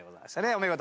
お見事！